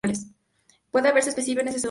Puede haber especímenes inermes.